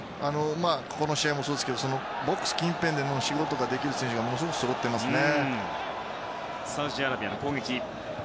この試合もそうですがボックス近辺での仕事ができる選手がすごくそろっていますね。